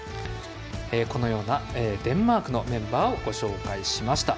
このようなデンマークのメンバーをご紹介しました。